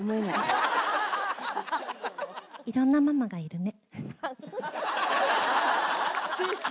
いろんなママがいるね。